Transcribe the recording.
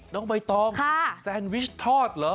น้องใบตองแซนวิชทอดเหรอ